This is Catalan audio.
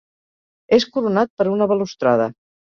És coronat per una balustrada.